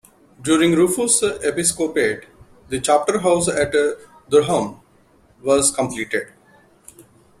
During Rufus' episcopate the chapterhouse at Durham was completed.